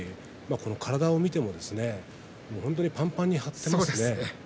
体を見てもぱんぱんに張っていますよね。